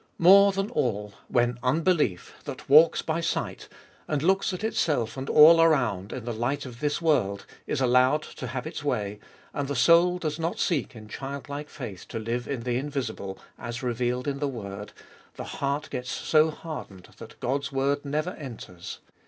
More than all, when unbelief, that walks by sight, and looks at itself and all around in the light of this world, is allowed to have its way, and the soul does not seek in childlike faith to live in the invisible, as revealed in the word, the heart gets so hardened that God's word never enters.